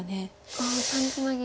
ああ単ツナギ。